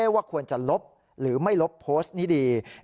ว่าควรจะลบหรือไม่ลบโพสต์นี้ดี